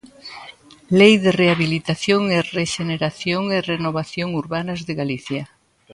Lei de rehabilitación e rexeneración e renovación urbanas de Galicia.